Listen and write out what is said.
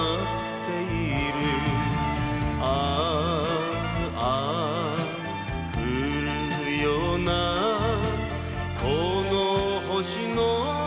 「ああ降るようなこの星の下で」